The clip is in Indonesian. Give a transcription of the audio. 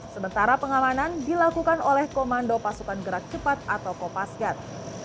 sementara pengamanan dilakukan oleh komando pasukan gerak cepat atau kopasgat